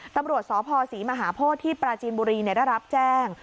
ตำรวจสพศรีมหาโพธิที่ปราจีนบุรีได้รับแจ้ง